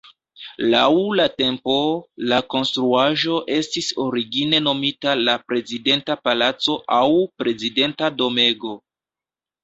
Laŭ la tempo, la konstruaĵo estis origine nomita la Prezidenta Palaco aŭ Prezidenta Domego.